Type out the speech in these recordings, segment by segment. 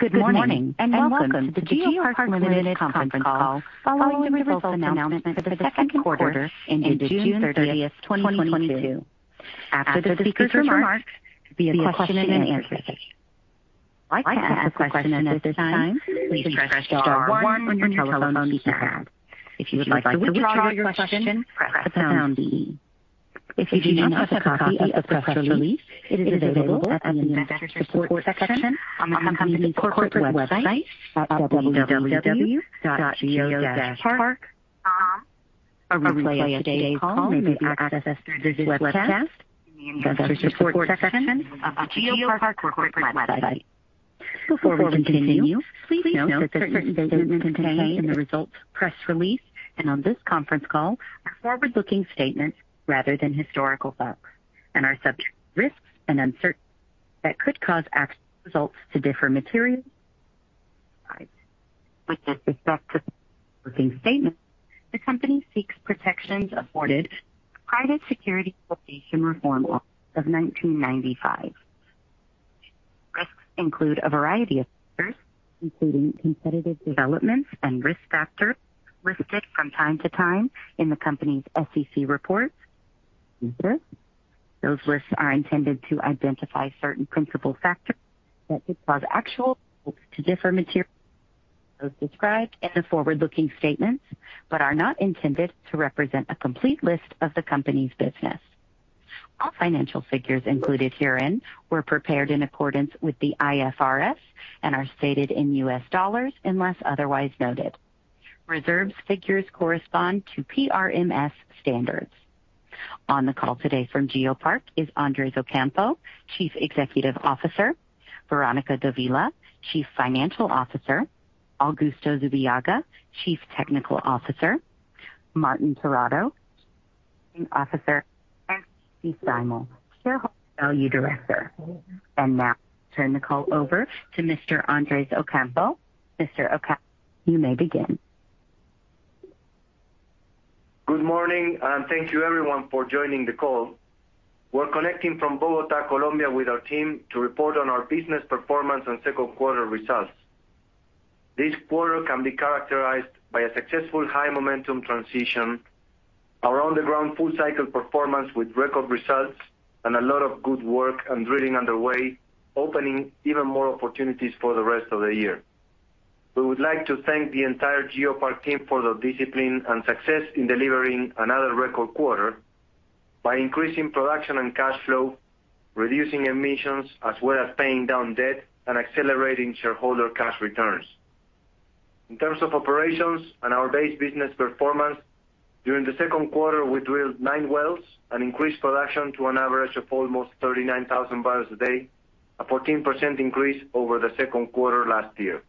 Good morning, and welcome to the GeoPark Limited conference call following the results announcement for the second quarter ended June 30th, 2022. After the speakers' remarks will be a question and answer session. If you would like to ask a question at this time, please press star one on your telephone keypad. If you would like to withdraw your question, press the pound key. If you do not have a copy of the press release, it is available at the Investor Support section on the company's corporate website at www.geo-park.com. A replay of today's call may be accessed through this webcast in the Investor Support section of the GeoPark corporate website. Before we continue, please note that certain statements contained in the results press release and on this conference call are forward-looking statements rather than historical facts and are subject to risks and uncertainties that could cause actual results to differ materially. With this discussion of forward-looking statements, the company seeks protections afforded by the Private Securities Litigation Reform Act of 1995. Risks include a variety of factors, including competitive developments and risk factors listed from time to time in the company's SEC reports. Those risks are intended to identify certain principal factors that could cause actual results to differ materially from those described in the forward-looking statements, but are not intended to represent a complete list of the company's business. All financial figures included herein were prepared in accordance with the IFRS and are stated in U.S. dollars, unless otherwise noted. Reserves figures correspond to PRMS standards. On the call today from GeoPark is Andrés Ocampo, Chief Executive Officer, Verónica Dávila, Chief Financial Officer, Augusto Zubillaga, Chief Technical Officer, Martín Terrado, Chief Operating Officer, and Stacy Steimel, Shareholder Value Director. Now I turn the call over to Mr. Andrés Ocampo. Mr. Ocampo, you may begin. Good morning, and thank you everyone for joining the call. We're connecting from Bogotá, Colombia, with our team to report on our business performance and second-quarter results. This quarter can be characterized by a successful high-momentum transition, our on-the-ground full-cycle performance with record results, and a lot of good work and drilling underway, opening even more opportunities for the rest of the year. We would like to thank the entire GeoPark team for their discipline and success in delivering another record quarter by increasing production and cash flow, reducing emissions, as well as paying down debt and accelerating shareholder cash returns. In terms of operations and our base business performance, during the second quarter, we drilled nine wells and increased production to an average of almost 39,000 barrels a day, a 14% increase over the second quarter last year.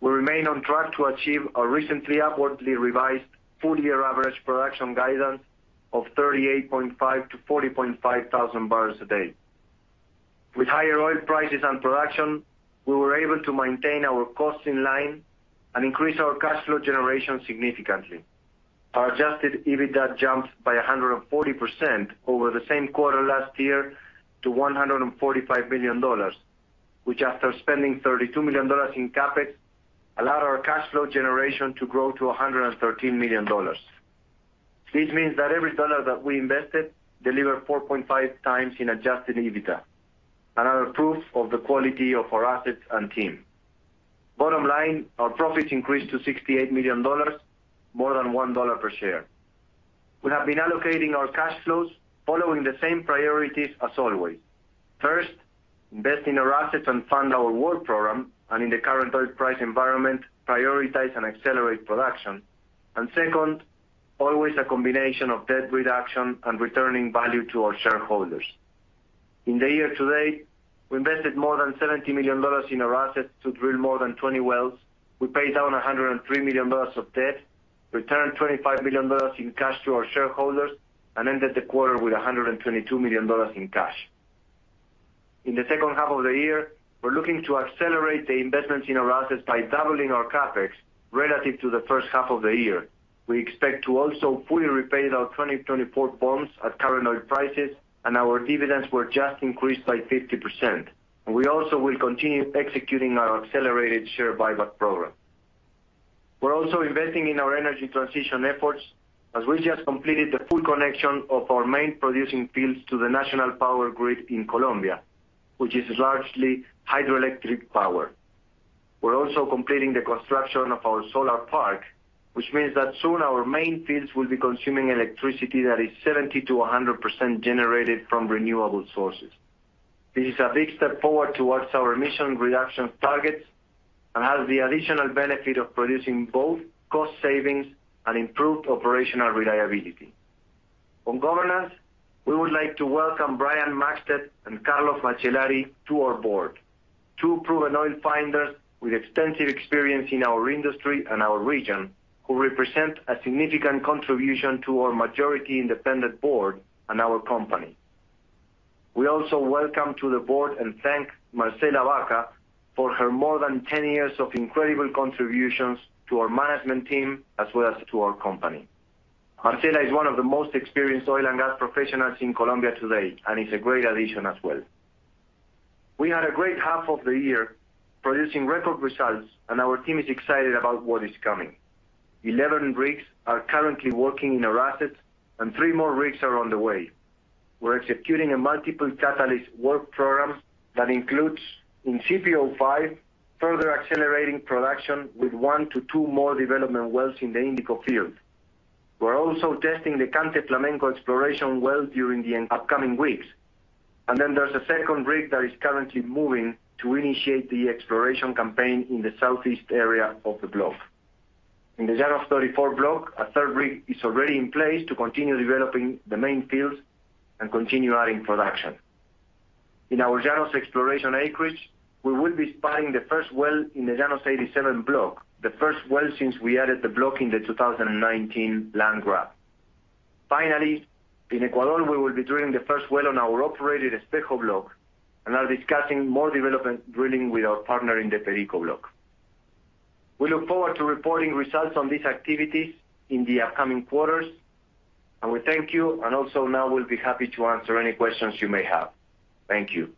We remain on track to achieve our recently upwardly revised full-year average production guidance of 38.5-40.5 thousand barrels a day. With higher oil prices and production, we were able to maintain our costs in line and increase our cash flow generation significantly. Our adjusted EBITDA jumped by 140% over the same quarter last year to $145 million, which after spending $32 million in CapEx, allowed our cash flow generation to grow to $113 million. This means that every dollar that we invested delivered 4.5 times in adjusted EBITDA, another proof of the quality of our assets and team. Bottom line, our profits increased to $68 million, more than $1 per share. We have been allocating our cash flows following the same priorities as always. First, invest in our assets and fund our work program, and in the current oil price environment, prioritize and accelerate production. Second, always a combination of debt reduction and returning value to our shareholders. In the year to date, we invested more than $70 million in our assets to drill more than 20 wells. We paid down $103 million of debt, returned $25 million in cash to our shareholders, and ended the quarter with $122 million in cash. In the second half of the year, we're looking to accelerate the investments in our assets by doubling our CapEx relative to the first half of the year. We expect to also fully repay our 2024 bonds at current oil prices, and our dividends were just increased by 50%. We also will continue executing our accelerated share buyback program. We're also investing in our energy transition efforts as we just completed the full connection of our main producing fields to the national power grid in Colombia, which is largely hydroelectric power. We're also completing the construction of our solar park, which means that soon our main fields will be consuming electricity that is 70%-100% generated from renewable sources. This is a big step forward towards our emission reduction targets and has the additional benefit of producing both cost savings and improved operational reliability. On governance, we would like to welcome Brian Maxted and Carlos Macellari to our board. Two proven oil finders with extensive experience in our industry and our region, who represent a significant contribution to our majority independent board and our company. We also welcome to the board and thank Marcela Vaca for her more than 10 years of incredible contributions to our management team, as well as to our company. Marcela is one of the most experienced oil and gas professionals in Colombia today, and is a great addition as well. We had a great half of the year producing record results, and our team is excited about what is coming. 11 rigs are currently working in our assets and three more rigs are on the way. We're executing a multiple catalyst work program that includes in CPO-5, further accelerating production with one to two more development wells in the Indico field. We're also testing the Cante Flamenco exploration well during the upcoming weeks. There's a second rig that is currently moving to initiate the exploration campaign in the southeast area of the block. In the Llanos 34 block, a third rig is already in place to continue developing the main fields and continue adding production. In our Llanos exploration acreage, we will be spudding the first well in the Llanos 87 block, the first well since we added the block in the 2019 land round. Finally, in Ecuador, we will be drilling the first well on our operated Espejo block and are discussing more development drilling with our partner in the Perico block. We look forward to reporting results on these activities in the upcoming quarters, and we thank you and also now we'll be happy to answer any questions you may have. Thank you.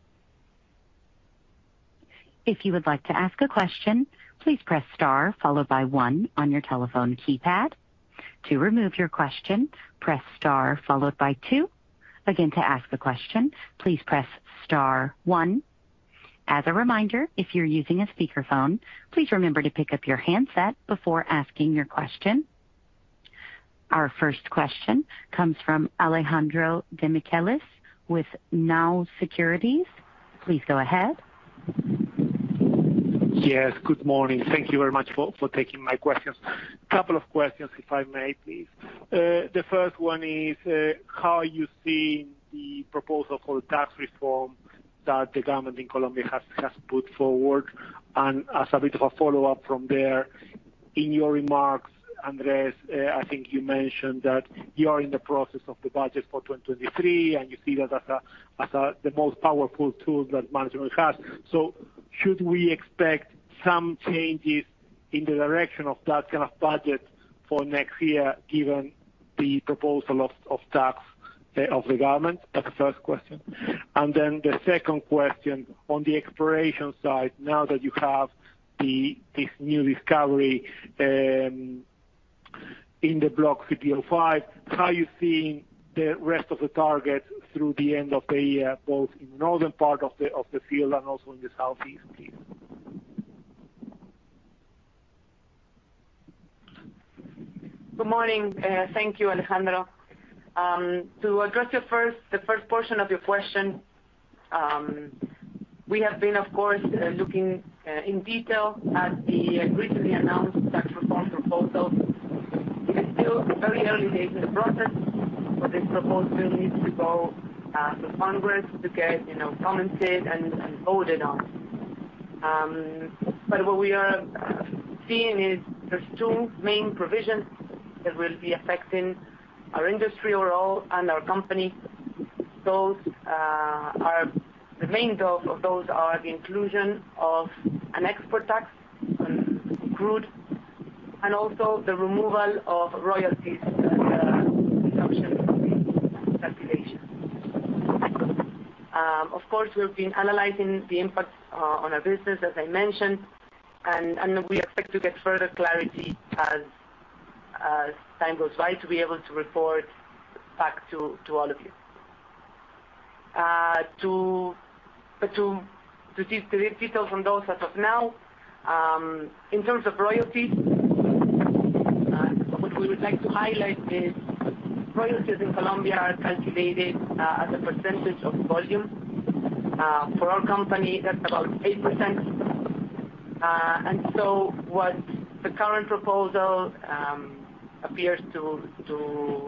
If you would like to ask a question, please press star followed by one on your telephone keypad. To remove your question, press star followed by two. Again, to ask a question, please press star one. As a reminder, if you're using a speakerphone, please remember to pick up your handset before asking your question. Our first question comes from Alejandro Demichelis with Nau Securities. Please go ahead. Yes, good morning. Thank you very much for taking my questions. A couple of questions, if I may please. The first one is, how are you seeing the proposal for tax reform that the government in Colombia has put forward? As a bit of a follow-up from there, in your remarks, Andrés, I think you mentioned that you are in the process of the budget for 2023, and you see that as the most powerful tool that management has. Should we expect some changes in the direction of that kind of budget for next year, given the proposal of tax of the government? That's the first question. The second question on the exploration side, now that you have this new discovery in the block CPO-5, how are you seeing the rest of the target through the end of the year, both in northern part of the field and also in the southeast, please? Good morning. Thank you, Alejandro. To address the first portion of your question, we have been, of course, looking in detail at the recently announced tax reform proposal. It is still very early days in the process, but this proposal needs to go to Congress to get, you know, commented and voted on. What we are seeing is there's two main provisions that will be affecting our industry overall and our company. Those are the main ones of those are the inclusion of an export tax on crude and also the removal of royalties as a reduction in calculation. Of course, we've been analyzing the impact on our business, as I mentioned, and we expect to get further clarity as time goes by to be able to report back to all of you. To give the details on those as of now, in terms of royalties, what we would like to highlight is royalties in Colombia are calculated as a percentage of volume. For our company, that's about 8%. What the current proposal appears to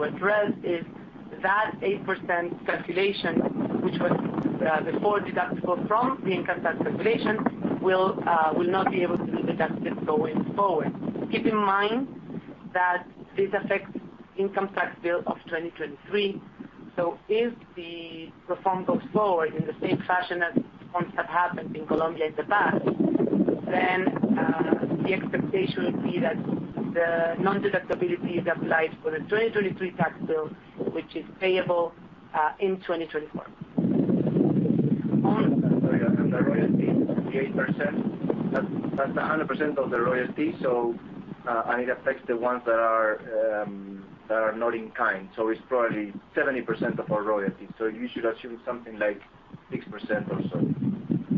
address is that 8% calculation, which was before deductible from the income tax calculation, will not be able to be deducted going forward. Keep in mind that this affects income tax bill of 2023. If the reform goes forward in the same fashion as reforms have happened in Colombia in the past, the expectation would be that the non-deductibility is applied for the 2023 tax bill, which is payable in 2024. Sorry, on the royalty, 88%, that's 100% of the royalty. It affects the ones that are not in kind. It's probably 70% of our royalty. You should assume something like 6% or so,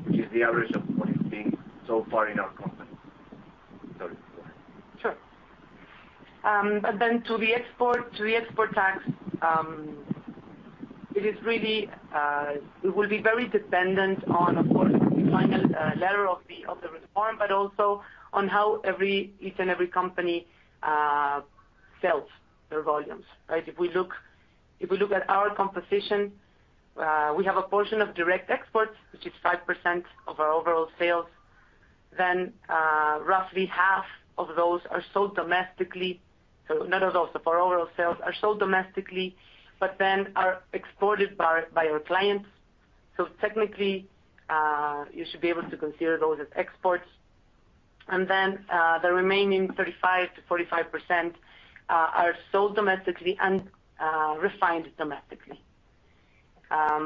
which is the average of what we've been seeing so far in our company. Sorry. Sure. To the export tax, it is really, it will be very dependent on of course, the final letter of the reform, but also on how each and every company sells their volumes, right? If we look at our composition, we have a portion of direct exports, which is 5% of our overall sales. Roughly half of those are sold domestically. None of those of our overall sales are sold domestically, but then are exported by our clients. Technically, you should be able to consider those as exports. The remaining 35%-45% are sold domestically and refined domestically. I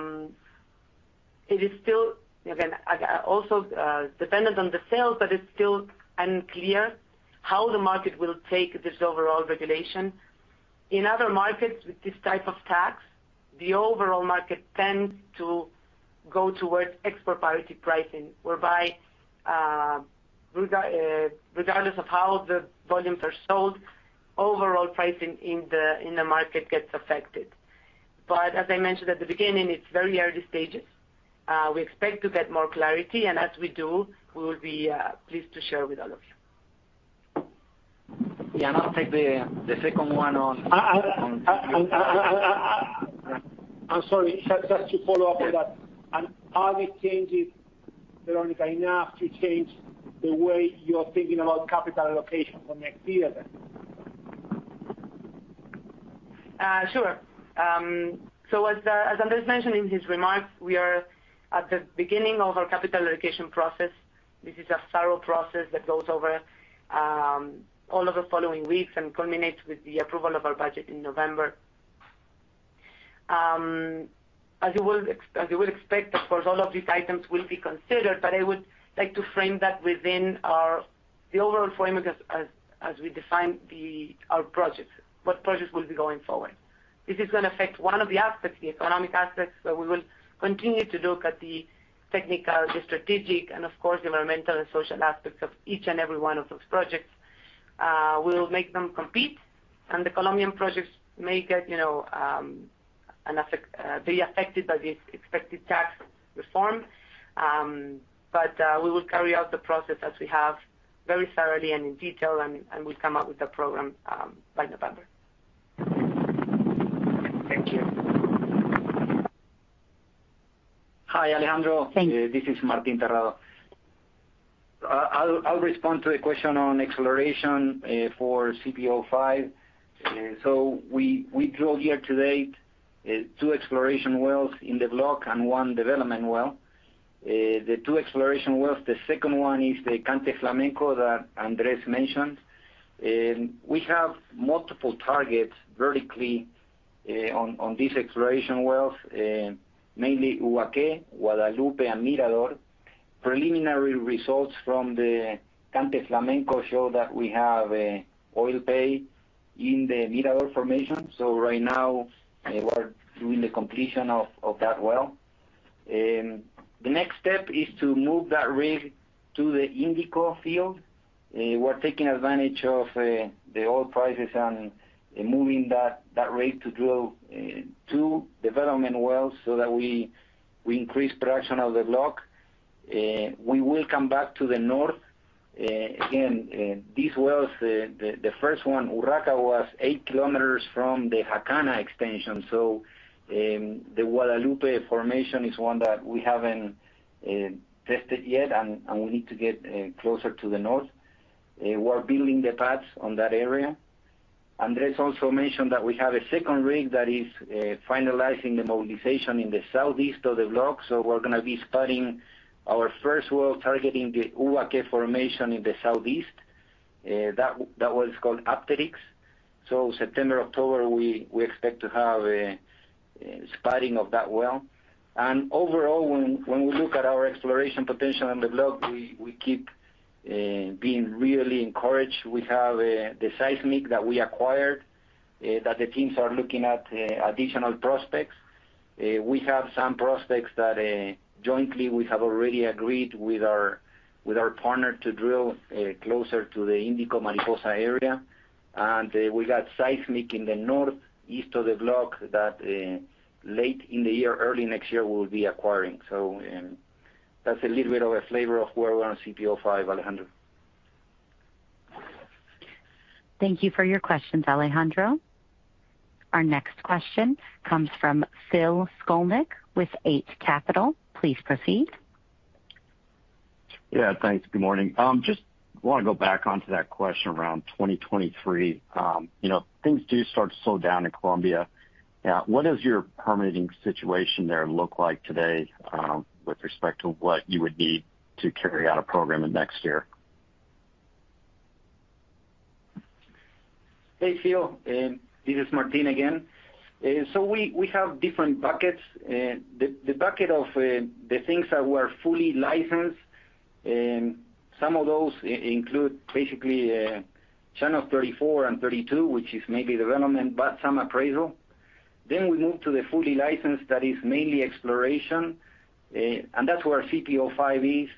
also dependent on the sales, but it's still unclear how the market will take this overall regulation. In other markets with this type of tax, the overall market tends to go towards export parity pricing, whereby regardless of how the volumes are sold, overall pricing in the market gets affected. As I mentioned at the beginning, it's very early stages. We expect to get more clarity, and as we do, we will be pleased to share with all of you. Yeah, I'll take the second one on. I'm sorry. Just to follow up with that. Are these changes, Verónica, enough to change the way you're thinking about capital allocation for next year then? Sure. As Andrés mentioned in his remarks, we are at the beginning of our capital allocation process. This is a thorough process that goes over all of the following weeks and culminates with the approval of our budget in November. As you will expect, of course, all of these items will be considered. I would like to frame that within the overall framework as we define our projects, what projects will be going forward. This is gonna affect one of the aspects, the economic aspects. We will continue to look at the technical, the strategic, and of course the environmental and social aspects of each and every one of those projects. We'll make them compete, and the Colombian projects may be affected by this expected tax reform, you know. We will carry out the process as we have very thoroughly and in detail, and we'll come up with a program by November. Thank you. Hi, Alejandro. Thank you. This is Martín Terrado. I'll respond to the question on exploration for CPO-5. We drill year to date two exploration wells in the block and one development well. The two exploration wells, the second one is the Cante Flamenco that Andrés mentioned. We have multiple targets vertically on these exploration wells mainly Ubaque, Guadalupe, and Mirador. Preliminary results from the Cante Flamenco show that we have an oil pay in the Mirador formation. Right now, we're doing the completion of that well. The next step is to move that rig to the Indico field. We're taking advantage of the oil prices and moving that rig to drill two development wells so that we increase production of the block. We will come back to the north. Again, these wells, the first one, Urraca, was eight kilometers from the Jacana extension. The Guadalupe formation is one that we haven't tested yet, and we need to get closer to the north. We're building the pads on that area. Andrés also mentioned that we have a second rig that is finalizing the mobilization in the southeast of the block, so we're gonna be starting our first well targeting the Ubaque formation in the southeast. That well is called Apteryx. September, October, we expect to have a starting of that well. Overall, when we look at our exploration potential on the block, we keep being really encouraged. We have the seismic that we acquired that the teams are looking at additional prospects. We have some prospects that jointly we have already agreed with our partner to drill closer to the Indico Mariposa area. We got seismic in the northeast of the block that late in the year, early next year we'll be acquiring. That's a little bit of a flavor of where we're on CPO-5, Alejandro. Thank you for your questions, Alejandro. Our next question comes from Phil Skolnick with Eight Capital. Please proceed. Yeah, thanks. Good morning. Just wanna go back onto that question around 2023. You know, things do start to slow down in Colombia. What is your permitting situation there look like today, with respect to what you would need to carry out a program in next year? Hey, Phil. This is Martin again. We have different buckets. The bucket of the things that were fully licensed, some of those include basically Llanos 34 and 32, which is maybe development, but some appraisal. We move to the fully licensed that is mainly exploration. That's where CPO-5 is,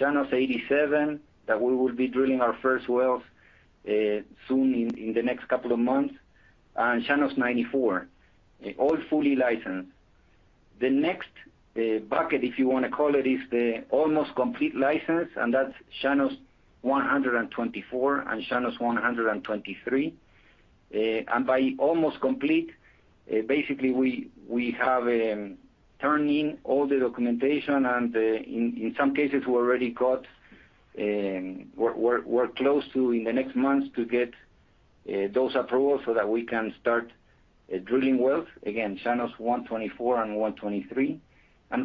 Llanos 87, that we will be drilling our first wells soon in the next couple of months, and Llanos 94. All fully licensed. The next bucket, if you wanna call it, is the almost complete license, and that's Llanos 124 and 123. We're almost complete. Basically we have turned in all the documentation and, in some cases we already got, we're close to, in the next month to get those approvals so that we can start drilling wells. Again, Llanos 124 and 123.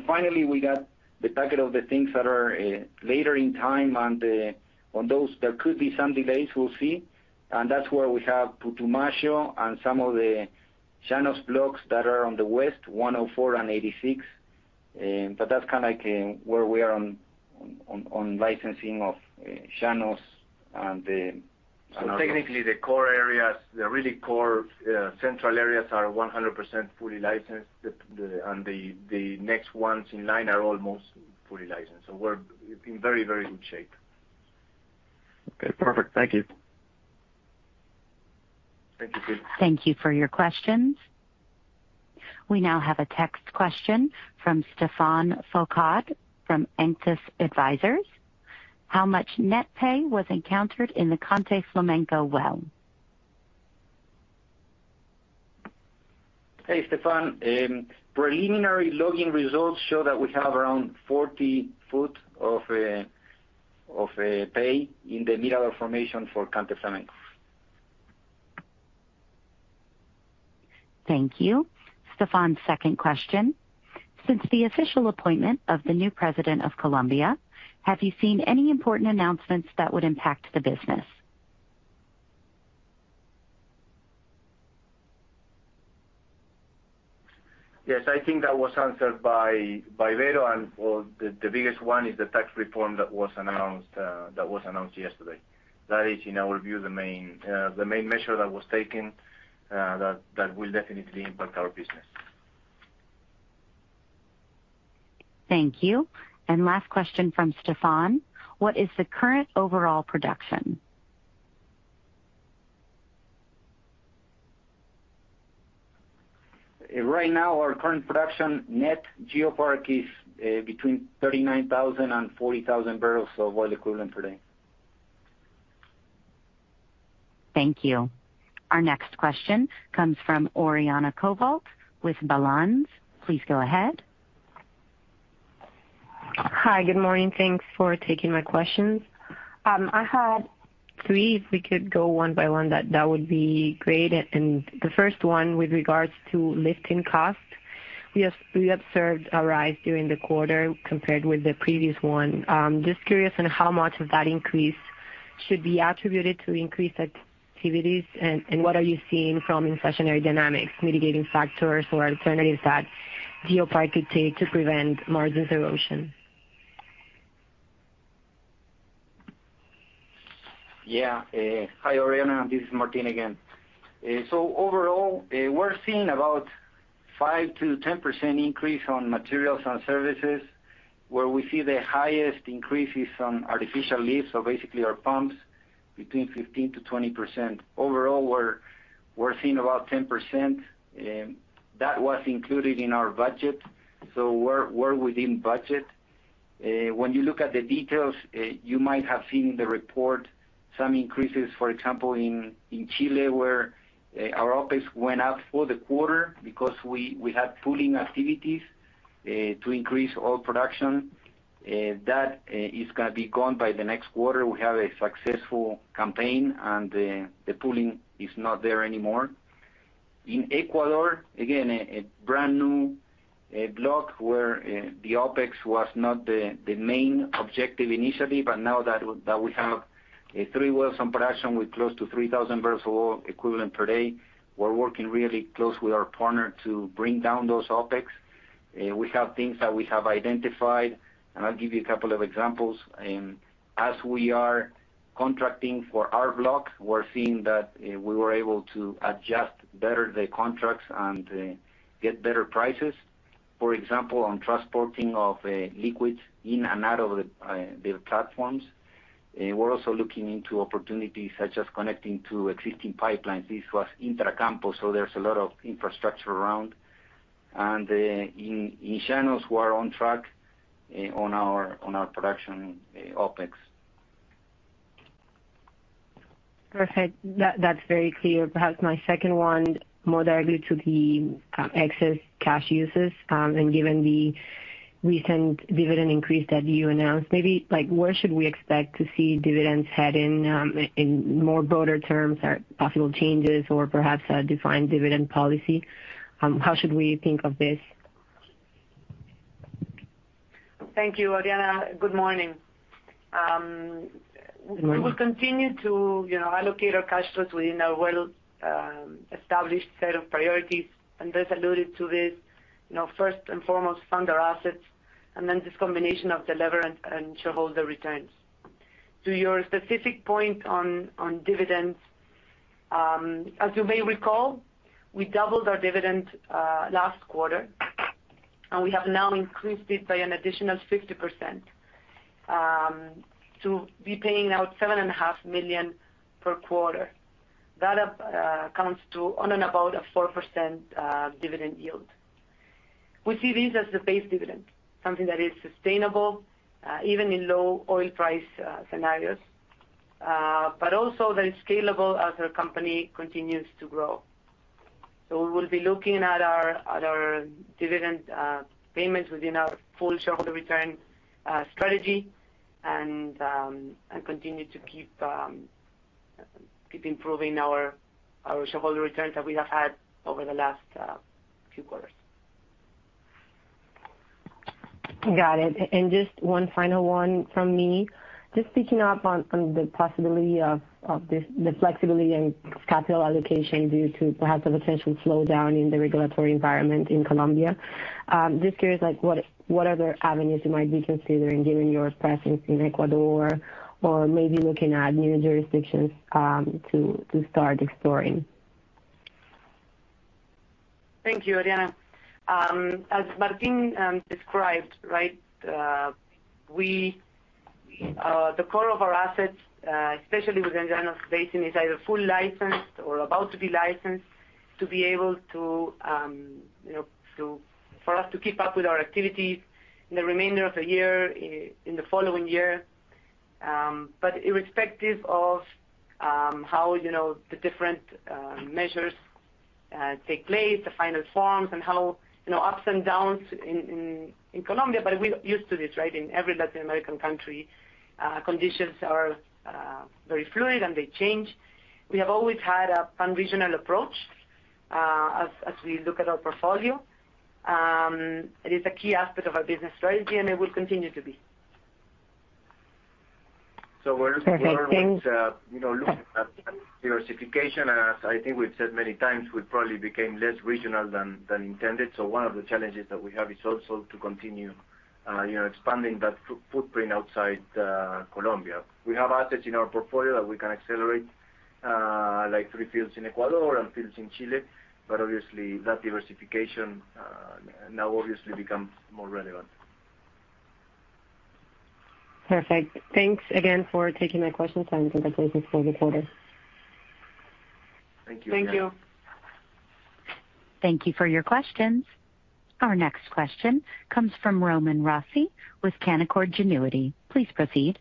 Finally, we got the back end of the things that are later in time. On those, there could be some delays. We'll see. That's where we have Putumayo and some of the Llanos blocks that are on the west, 104 and 86. But that's kind of like where we are on licensing of Llanos. Technically, the core areas, the really core, central areas are 100% fully licensed. The next ones in line are almost fully licensed. We're in very, very good shape. Okay, perfect. Thank you. Thank you, Phil Skolnick. Thank you for your questions. We now have a text question from Stephane Foucaud from Auctus Advisors. How much net pay was encountered in the Cante Flamenco well? Hey, Stephane. Preliminary logging results show that we have around 40 foot of pay in the middle of formation for Cante Flamenco. Thank you. Stephane's second question: Since the official appointment of the new president of Colombia, have you seen any important announcements that would impact the business? Yes, I think that was answered by Vero, and well, the biggest one is the tax reform that was announced yesterday. That is, in our view, the main measure that was taken that will definitely impact our business. Thank you. Last question from Stephane: What is the current overall production? Right now, our current production net GeoPark is between 39,000 and 40,000 barrels of oil equivalent per day. Thank you. Our next question comes from Oriana Covault with Balanz. Please go ahead. Hi, good morning. Thanks for taking my questions. I had three. If we could go one by one, that would be great. The first one with regards to lifting costs. We observed a rise during the quarter compared with the previous one. Just curious on how much of that increase should be attributed to increased activities and what are you seeing from inflationary dynamics, mitigating factors or alternatives that GeoPark could take to prevent margins erosion? Yeah. Hi, Oriana. This is Martín again. Overall, we're seeing about 5%-10% increase on materials and services. Where we see the highest increase is on artificial lift, so basically our pumps between 15%-20%. Overall, we're seeing about 10%. That was included in our budget, so we're within budget. When you look at the details, you might have seen in the report some increases, for example, in Chile, where our OpEx went up for the quarter because we had pulling activities to increase oil production. That is gonna be gone by the next quarter. We have a successful campaign, and the pulling is not there anymore. In Ecuador, again, a brand-new block where the OpEx was not the main objective initially. Now that we have three wells in production with close to 3,000 barrels of oil equivalent per day, we're working really close with our partner to bring down those OpEx. We have things that we have identified, and I'll give you a couple of examples. As we are contracting for our block, we're seeing that we were able to adjust better the contracts and get better prices. For example, on transporting of liquids in and out of the platforms. We're also looking into opportunities such as connecting to existing pipelines. This was Intracampos, so there's a lot of infrastructure around. In Llanos, we are on track on our production OpEx. Perfect. That's very clear. Perhaps my second one more directly to the excess cash uses and given the recent dividend increase that you announced. Maybe, like, where should we expect to see dividends heading in more broader terms or possible changes or perhaps a defined dividend policy? How should we think of this? Thank you, Oriana. Good morning. We will continue to, you know, allocate our cash flows within our well-established set of priorities, and as we alluded to this, you know, first and foremost, fund our assets and then this combination of the leverage and shareholder returns. To your specific point on dividends, as you may recall, we doubled our dividend last quarter, and we have now increased it by an additional 50%, to be paying out $7.5 million per quarter. That comes to or about a 4% dividend yield. We see this as the base dividend, something that is sustainable, even in low oil price scenarios, but also that is scalable as our company continues to grow. We will be looking at our dividend payments within our full shareholder return strategy and continue to keep improving our shareholder returns that we have had over the last few quarters. Got it. Just one final one from me. Just picking up on the possibility of this, the flexibility and capital allocation due to perhaps a potential slowdown in the regulatory environment in Colombia. Just curious, like what other avenues you might be considering given your presence in Ecuador or maybe looking at new jurisdictions to start exploring? Thank you, Oriana. As Martín described, right, we, the core of our assets, especially within Llanos Basin, is either fully licensed or about to be licensed to be able to for us to keep up with our activities in the remainder of the year, in the following year. Irrespective of how the different measures take place, the final forms and how ups and downs in Colombia, but we're used to this, right? In every Latin American country, conditions are very fluid and they change. We have always had a pan-regional approach, as we look at our portfolio. It is a key aspect of our business strategy, and it will continue to be. Perfect. Thanks. We are looking at, you know, looking at diversification. As I think we've said many times, we probably became less regional than intended. One of the challenges that we have is also to continue, you know, expanding that footprint outside Colombia. We have assets in our portfolio that we can accelerate, like three fields in Ecuador and fields in Chile, but obviously that diversification now obviously becomes more relevant. Perfect. Thanks again for taking my questions. I'm done for this quarter. Thank you. Thank you. Thank you for your questions. Our next question comes from Román Rossi with Canaccord Genuity. Please proceed.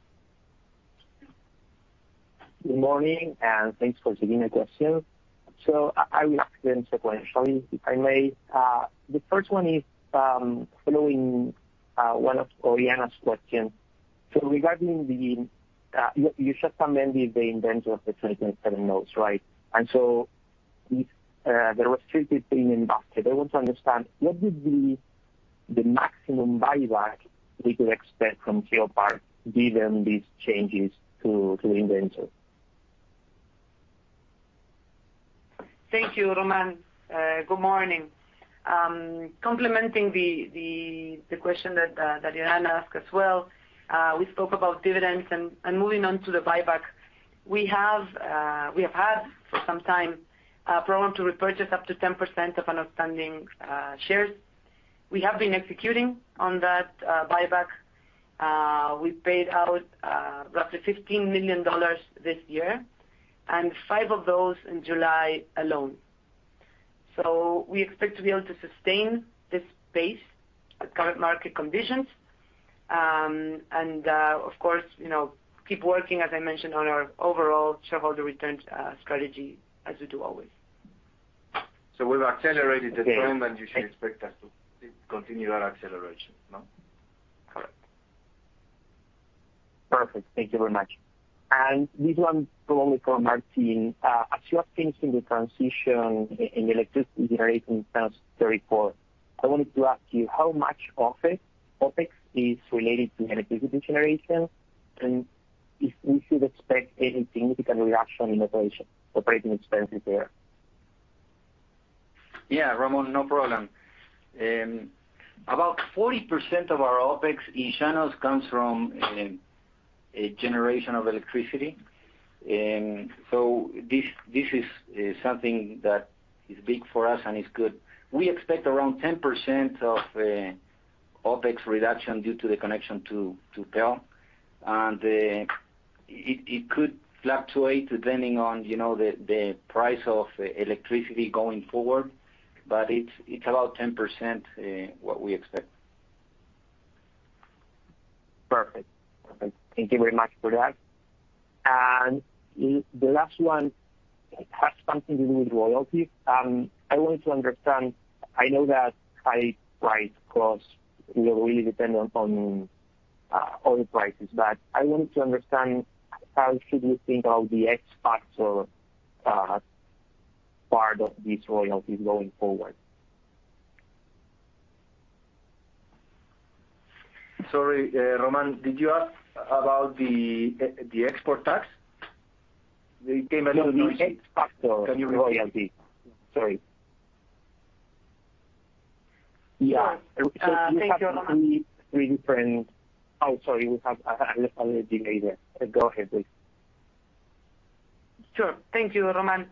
Good morning, and thanks for taking the question. I will ask them sequentially, if I may. The first one is, following one of Oriana's question. Regarding the, you supplemented the indenture of the 27 notes, right? If there were three things in basket, I want to understand what would be the maximum buyback we could expect from GeoPark given these changes to the indenture? Thank you, Román. Good morning. Complementing the question that Oriana asked as well, we spoke about dividends and moving on to the buyback. We have had for some time a program to repurchase up to 10% of outstanding shares. We have been executing on that buyback. We paid out roughly $15 million this year and five of those in July alone. We expect to be able to sustain this pace at current market conditions, and of course, you know, keep working, as I mentioned, on our overall shareholder returns strategy as we do always. We've accelerated the trend, and you should expect us to continue our acceleration. No? Correct. Perfect. Thank you very much. This one is probably for Martín. As you are finishing the transition in electricity generation in the third quarter, I wanted to ask you how much OpEx is related to electricity generation, and if we should expect any significant reduction in operating expenses there? Yeah. Román, no problem. About 40% of our OpEx in Llanos comes from generation of electricity. This is something that is big for us and is good. We expect around 10% of OpEx reduction due to the connection to the grid. It could fluctuate depending on, you know, the price of electricity going forward, but it's about 10%, what we expect. Perfect. Thank you very much for that. The last one has something to do with royalties. I wanted to understand. I know that high price costs will really depend on oil prices, but I wanted to understand how should we think of the X factor as part of this royalty going forward? Sorry, Román, did you ask about the export tax? There came a little noise. The X factor of royalty. Sorry. Yeah. Thank you, Román. We have. Unless Oriana did. Go ahead, please. Sure. Thank you, Román.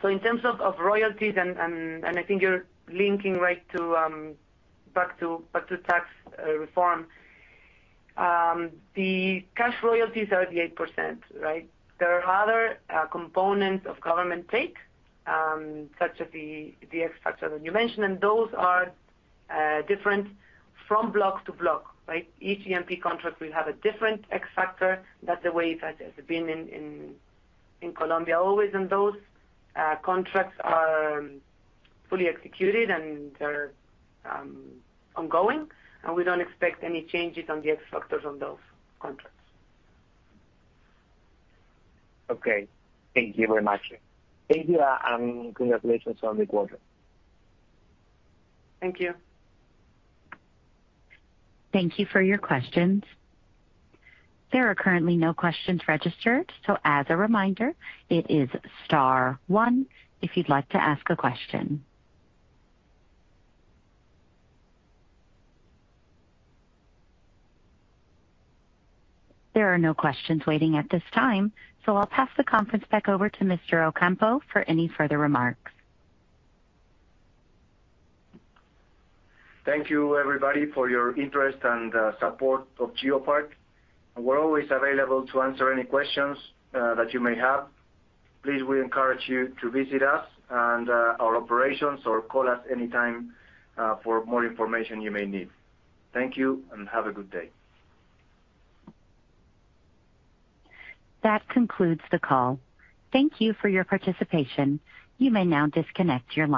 So in terms of royalties, and I think you're linking right to back to tax reform. The cash royalties are at 8%, right? There are other components of government take, such as the X factor that you mentioned, and those are different from block to block, right? Each E&P contract will have a different X factor. That's the way that has been in Colombia always, and those contracts are fully executed and they're ongoing, and we don't expect any changes on the X factors on those contracts. Okay. Thank you very much. Thank you, and congratulations on the quarter. Thank you. Thank you for your questions. There are currently no questions registered, so as a reminder, it is star one if you'd like to ask a question. There are no questions waiting at this time, so I'll pass the conference back over to Mr. Ocampo for any further remarks. Thank you, everybody, for your interest and support of GeoPark. We're always available to answer any questions that you may have. Please, we encourage you to visit us and our operations or call us anytime for more information you may need. Thank you and have a good day. That concludes the call. Thank you for your participation. You may now disconnect your line.